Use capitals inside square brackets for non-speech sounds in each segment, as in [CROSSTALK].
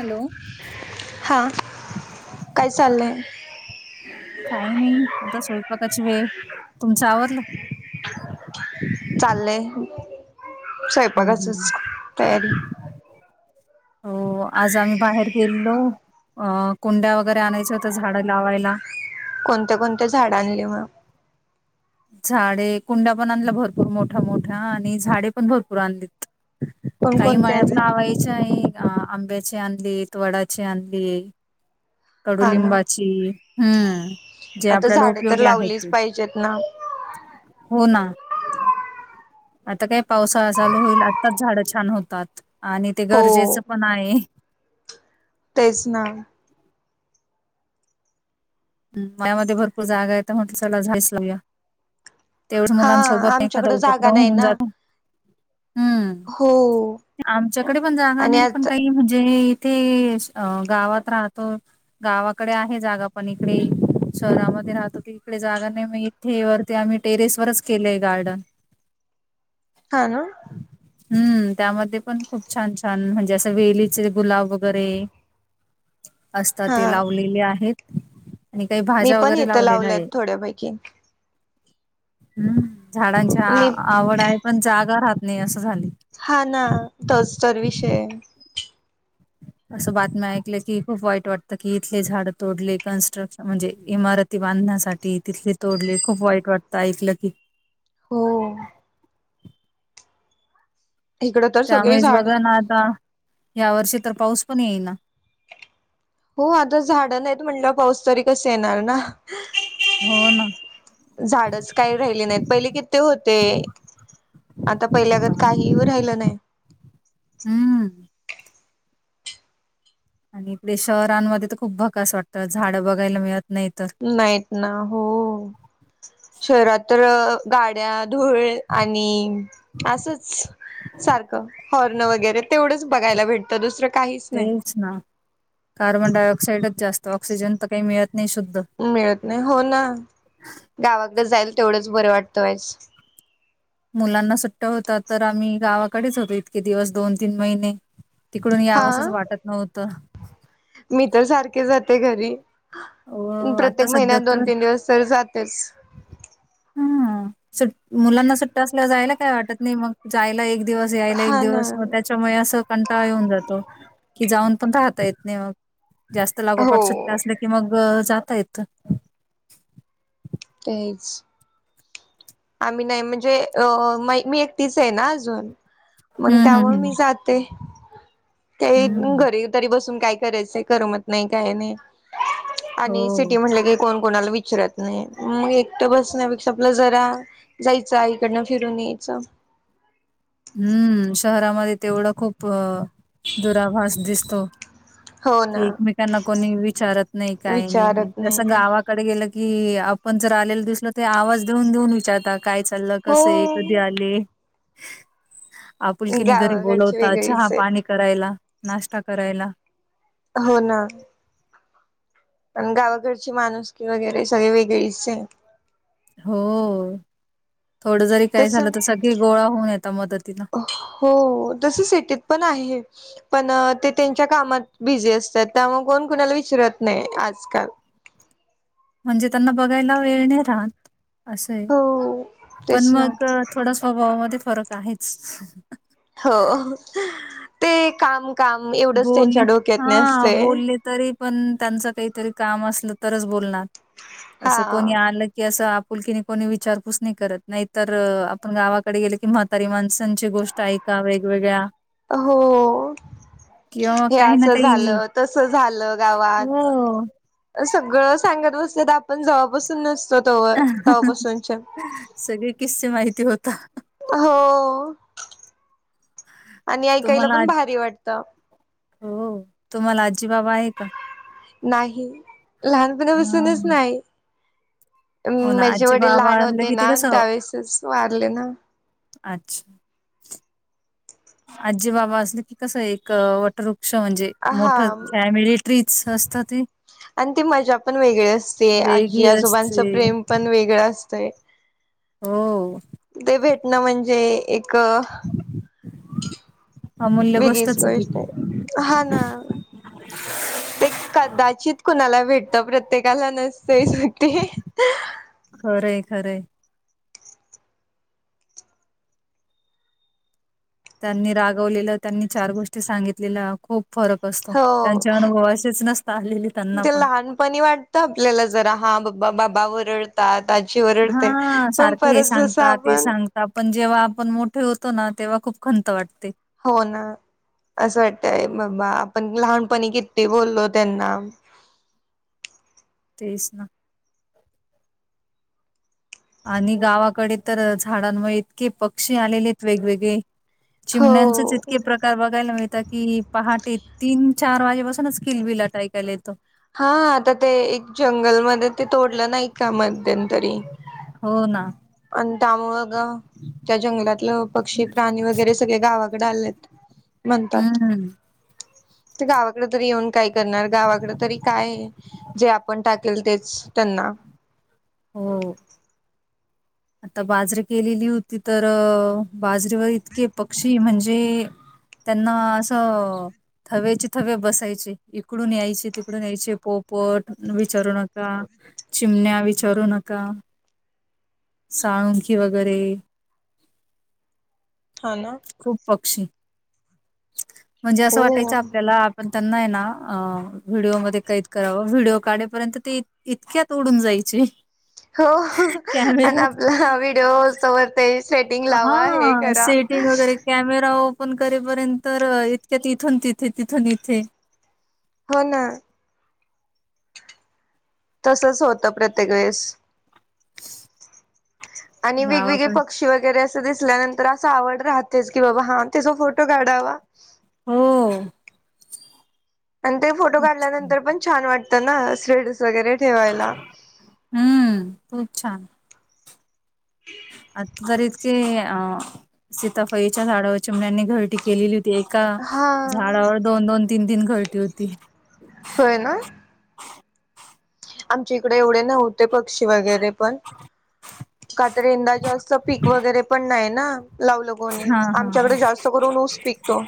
Hello, हा काय चाललंय काही नाही आता स्वयंपाकाची वेळ, तुमच आवरल. चाललंय. हम्म स्वयंपाकाचच, हम्म तयारी. हो आज आम्ही बाहेर गेलो अ कुंड्या वगैरे आणायचं होत झाड लावायला. कोणत्या कोणत्या झाड आणली मग. झाडे कुंड्या पण आणल्या भरपूर मोठा मोठ्या आणि झाडे पण भरपूर आणलीत. काही कोणकोणत्या मळ्यात आणली लावायच आहे. अ आंब्याचे आनलेत वडाचे आनलेत. हा ना कडुलिंबाची हम्म जे आता आपल्याला झाडं तर उपयोगी आहेत लावलीच ते पाहिजेत ना हो ना. आता काय पावसाळा चालू होईल आत्ताच झाड छान होतात. आणि ते हो गरजेच पण आहे. तेच ना. ह मळयामध्ये भरपूर जागा आहेेत. म्हणटल त चला झाडच लाऊया. तेवढा हा मुलांसोबत एखादा आमच्याकडे जागा उपक्रम नाही होऊन ना जातो. हम्म हो आमच्याकडे पण जागा आणि नाही पण आता काही म्हणजे ते च गावात राहतो. गावाकडे आहे जागा पण इकडे शहरामध्ये राहतो इकडे जागा नाही इथे वरती आम्ही टेरेस वरच केले गार्डन हा ना. हम्म त्यामध्ये पण खूप छान छान म्हणजे असं वेलीचे गुलाब वगैरे असत हा ते लावलेले आहेत. आणि काही मी भाज्या पण वगैरे इथं लावलेल्या लावलय आहे. थोड्यापैकी हम्म. झाडांची मी आवड आहे पण जागा राहत. नाही असं झालं. हा ना तोच तर विषय असं बातम्या ऐकलं की खूप वाईट वाटतं कि इथले झाड तोडले कन्स्ट्रक्शन म्हणजे इमारती बांधण्यासाठी तिथले तोडले खूप वाईट वाटत ऐकलं की हो. इकडं तर सगळी त्यामुळेच झाड बघा ना आता या वर्षी तर पाऊस पण येईना. हो आता झाडं नाहीत म्हंटल्यावर पाऊस तरी कसं येणार ना. हो ना झाडच काही राहिले नाहीत. पहिले किती होते आता पहिल्यागत काही राहिलं नाही‌. हम्म आणि इकडे शहरांमध्ये तर खूप भकास वाटतं झाडं बघायला मिळत नाही तर नाहीत ना हो. हो शहरात तर गाड्या धूळ आहे आणि असच सारखं हॉर्न वगैरे तेवढंच बघायला भेटतं दुसर तेच ना. कार्बन डाय ऑक्साइडच जास्त ऑक्सिजन तर काही मिळत नाही शुद्ध मिळत नाही हो ना. गावाकडे जाईल तेवढंच बरं वाटतं वाइच. मुलांना सुट्टा होता तर आम्ही गावाकडेच होतो इतके दिवस दोन तीन महिने. तिकडून हा, यावंसच वाटत नव्हतं मी तर सारखे जाते घर [UNINTELLIGIBLE] अ आता प्रत्येक सध्या महिन्यात दोन तर तीन दिवस तर जा तेच हं मुलांना सुट्ट्या असल्यावर जायला काय वाटत नाही. मग जायला एक दिवस यायला एक हा ना दिवस, मग त्याच्यामुळे असं कंटाळ येऊन जातो. कि जाऊन पण राहता येत नाही मग. जास्त लागोपाठ सुट्टा हो असल्या की मग जात ता येत. तेच आम्ही नाही म्हणजे अ मी एकटीच आहे ना अजून मग हं, हं, त्यामुळे मी हं. जाते. काही हं. घरी तरी बसून काय करायचंय. करमत नाही, काय नाही. आणि हो. सिटी म्हटलं की कोण कोणाला विच विचरत नाही, मग एकट बसण्यापेक्षा आपला जरा जायचं आईकडनं फिरून यायचं. हम्म. शहरामध्ये तेवढं खूप अ दुराभास दिसतो. हो की ना एकमेकांना कोणी विचारत नाही, काही नाही. तस गावाकडे गेलं कि आपण जर आलेल दिसलं तर आवाज देऊन देऊन विचारतात. की काय चाललं, हो कसं आहे, कधी आले? आपुलकीने घरी गावाकडची बोलवता चहा वेगळीच पाणी आहेत करायला नाश्ता करायला हो ना पण गावाघरची माणूस की वगैरे सगळे वेगळीच आहे हो थोडं जरी काही तसं झालं तर सगळी गोळा होऊन येतता मदतीला हो तस सिटीत पण आहे. पण ते त्यांच्या कामात बिझी असतात त्यामुळे कोण कुणाला विचरत नाही आजकाल म्हणजे त्यांना बघायला वेळणे राहात असं आहे हो पण तेच ना मग थोडा स्वभावामध्ये फरक आहेच हो ते काम काम एवढंच बले त्यांच्या डोक्यातने हा असते बोलले तरी पण त्यांच काहीतरी काम असलं तरच बोलणार हा. असं कोणी आणलं की असं कुलकीिनी कोणी विचारपूस नाही करत नाहीतर आपण गावाकडे गेले की म्हातारी माणस गोष्ट ऐका वेग वेगळ्या हो हे असं झालं तस झालं गावात. हो. सगळं सांगत बस्त्यात आपण जवापासून नसतो तवर तव्हापासूनच्या. सगळे किस्से माहिती होत. त हो आणि ऐकायला तुम्हाला पण आज भारी वाटतय. ता हो तुम्हाला आजीबाबा आहे का? नाही लहान पणा हा पासूनच नाही. हो ना माझे आजी वडील बाबा लहान असलं होते कि ते ना कसं त्यावेेळेसच वारले ना. अच्छा जी बाबा असले की कसं एक वटर हा ट्रीच असतं ते आणि ती मज्जा पण वेगळी असते आजी वेगळी आजोबांचं असते प्रेम पण वेगळं असतंय. हो ते भेटणं म्हणजे क अमूल्य गोष्टचे. हा ना हा [UNINTELLIGIBLE] ते कदाचित कुणाला भेटत प्रत्येकाला नसतय सोड ते. खरंय खरंय. त्यांनी रागवलेल्या त्यांनी चार गोष्टी सांगितलेलं खूप. फरक असतो हो त्यांच्या अनुभवाशीच नसता आलेली त्यांना ते पण लहानपणी वाटतं आपल्याला जरा हा बा म बाबा ओरडतात. आज्जी ओरडते, हां, पण सारखं हे परत जस सांगता, ते आपण सांगता, पण जेव्हा आपण मोठे होतो ना तेव्हा खूप खंत वाटते. हो ना असं वाटतय बाबा आपण लहानपणी किती बोललो त्यांना. तेच ना. आणि गावाकडे तर झाडांमुळे इतके पक्षी आलेलेत वेगवेगळे. चिमण्यांचेच हो. इतके प्रकार बघायला मिळतात की, पहाटे तीन. चार वाजेपासूनच किलबिलाट ऐकायला येतो. हा आता ते एक जंगलमध्ये ते तोडलं नाही का? मध्यंतरी. हो ना, हो ना आणि त्यामुळं त्या जंगलातलं पक्षी प्राणी वगैरे सगळे गावाकडे आलेत म्हणतात. हं, ते गावाकडे तरी येऊन काय करणार? गावाकडे तरी काय? जे आपण टाकेल तेच त्यांना हो आता बाजरीे केलेली होती तर बाजरीेवर इतके पक्षी म्हणजे त्यांना असं थव्याचे थवे बसायचे, इकडून यायचे, तिकडून यायचे, पोपट विचारू नका, चिमण्या विचारू नका. साळुंखी वगैरे हा ना [INAUDIBLE] खूप पक्षी म्हणजे असं हो. वाटायचं आपल्याला आपण त्यांना ना व्हिडिओमध्ये कैद करावं. व्हिडिओ काढपर्यंत ते इतक्यात उडून जायचे. हो आणि कॅमेरा आपला व्हिडिओ तवर ते सेटिंग हा... लावा हे करा. सेटिंग वगैरे कॅमेरा पण करेपर्यंत इतक्यात इथून, तिथे तिथून इथे. हो ना तसच होतं प्रत्येक वेळेस [INAUDIBLE] आणि वेगवेगळे गावाकड पक्षी वगैरे अस दिसल्यानंतर अस आवड राहते की बाबा हा त्याचा फोटो काढावा. हो.. आणि ते फोटो खूप छान. काढल्यानंतर पण छान वाट ते ना, वगैरे ठेवायला [INAUDIBLE] हम्म खूप छान! आ तर इतके अ [INAUDIBLE] सीताफळाच्या झाडावर चिमण्यांनी घरटी केलेली होती. एका हा झाडावर दोन, दोन तीन, तीन घरटी होती. होय ना. आमच्या इकडे एवढे नव्ह--. पक्षी वगैरे पण काात यंदा जास्त पीक वगैरे पण नाही ना लावल कोणी हा हा आमच्याकडे हा जास्त करून ऊस पिकतो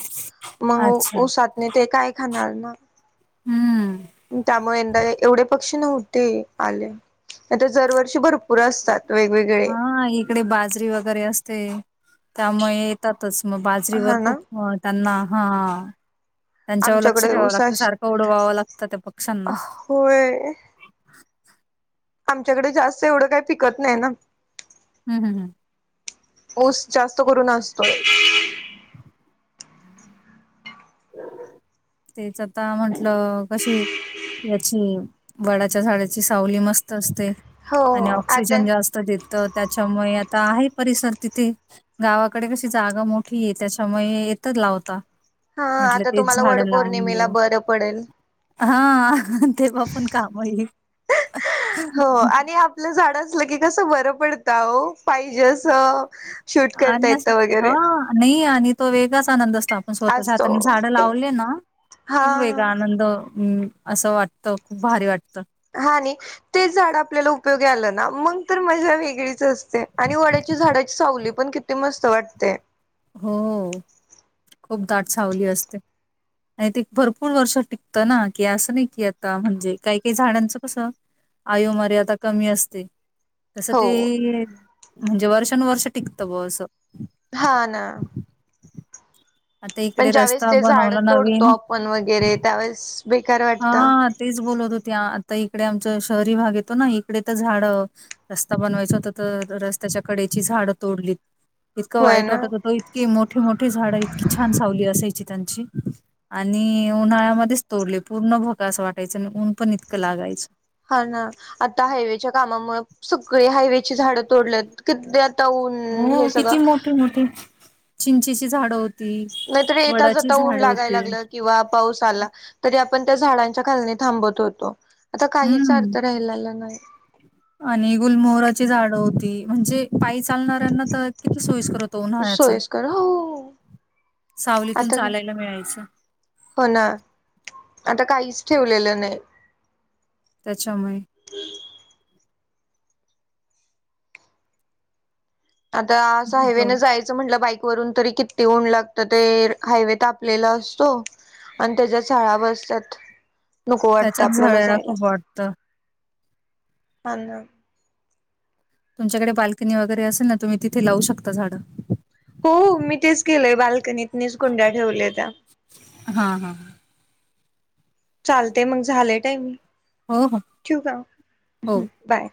मग अच्छा ऊसात नाही ते काय खाणार ना हम्म त्यामुळे एवढे पक्षी नव्हते आले भरपूर असतात वेगवेगळे हा इकडे बाजरी वगैरे असते त्यामुळे येतातच मग बाजरीवर हा ना खूप त्यांना हा त्यांच्यावर लक्ष आमच्याकडे ठेवावं ऊस लागतं अस सारखं उडवावं लागतं त्या पक्ष्यांना होय आमच्याकडे जास्त एवढं काही पिकत नाही ना हम्म हम्म हम्म. उस जास्त करून असतोय तेच आता म्हंटलं कशी याची वडाच्या झाडाची सावली मस्त असते हो आणि आता ऑक्सिजन जास्त देत त्याच्यामुळे आहे परिसर तिथे गावाकडे कशी जागा मोठी आहे त्याच्यामुळे येतच लावता हा म्हटलं आता तेच तुम्हाला वड झाडं पौर्णिमेला बरं पडेल हा तेव्हा पण काम होईल हो आणि आपलं झाड की कस बरं पडत आणि अस येतं हा वगैरे नाही आणि तो वेगाच आनंद असतो आपण स्वतःच्या असतो हाताने झाडं लावले ना हा खूप वेग आनंद हम् असं वाटतं खूप भारी वाटत हा आणि ते झाड आपल्याला उपयोग लं ना मग तर मजा वेगळीच असते आणि वड्याची झाडाची सावली पण किती मस्त वाटते हो खूप दाट सावली असते आणि ते भरपूर वर्ष टिकतं ना की असं नाही की आता म्हणजे काही काही झाडांचं कस आयु मर्याता कमी असते तस हो ते म्हणजे वर्ष वर्ष टिकतं बस हा ना आता पण इकडे ज्यावेेळेस रस्ता ते झाड बनवला तोडतो नवीन आपण वगैरे त्यावेळेस बेकार वाटत हा तेच बोलत होते त्या आता इकडे आमचा शहरी भाग येतो ना इकडे तर झाड रस्ता बनवायच होत तर रस्त्याच्या कडेची झाडं तोडलीत इतकां होय वाईट ना वाटत होतो इतकी मोठठी मोठी झाड इतकी छान सावली असायची त्यांची आणि उन्हाळ्यामध्येच तोली पूर्ण भोग अस वाटयं आणि ऊन पण इतकं लागायचं हा ना आता हायवेच्या कामामुळे सगळी हायवेची झाडं तोडल्यात क हो किती मोठे मोठे चिंचेची झाडं हो नाहीतरी येताचता ऊन लागायला लागलं किंवा पाऊस आला तरी पण त्या झाडांच्या खालनी थांबत होतो आता काहीच हम्म अर्थ राहिलेला नाही आणि गुलमोहराची झाड होती म्हणजे पायच चालणाऱ्यांना तर किती सोयीस् कर होतो उन्हाळ्याच सोयस्कर हो सावलीतून आता चालायला मिळायचं हो ना आता काहीच ठेवलेलं नाही त्याच्यामुळे आता स हवेनं बर जायचं म्हटलं बाईक वून त किती ऊन लागत हायवे तापलेला असतो आणि त्याळा बसतात नको वाटतं त्याच्यात झळयला खूप वाटतं अना तुमच्याकडे बाल्कनी वगैरे असेल ना तुम्ही तिथे लावू शकता झाडं हो मी तेच गेलोय बाल्कनीत मीच कुंड्या ठेवल्या त्या हा हा. चालते मग झालंय टाय मी हो हो ठू का हो. मग बाय